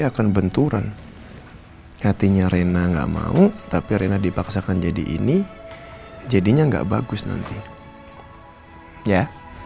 akan benturan hatinya rena nggak mau tapi rena dipaksakan jadi ini jadinya enggak bagus nanti ya